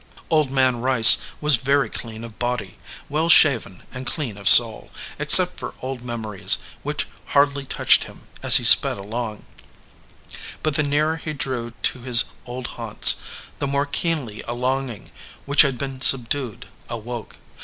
Old Man Rice was very clean of body, well shaven, and clean of soul, except for old mem ories, which hardly touched him, as he sped along. 46 THE OLD MAN OF THE FIELD But the nearer he drew to his old haunts the more keenly a longing which had been subdued awoke.